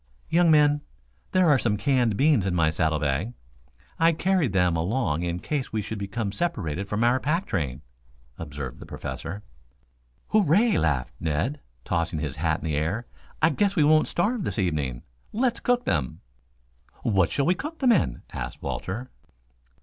"Young men, there are some canned beans in my saddle bag. I carried them along in case we should become separated from our pack train," observed the Professor. "Hooray!" laughed Ned, tossing his hat in the air. "I guess we won't starve this evening. Let's cook them?" "What shall we cook them in?" asked Walter.